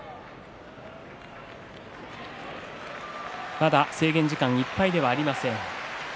まだ制限時間いっぱいではありません。